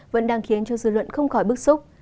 vẫn đang khiến dư luận không khỏi bức xúc